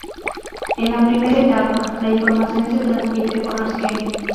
En la primera etapa, la información se transmite por los genes.